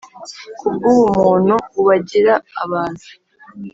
Ku bw’ubumuntu ubagira abantu,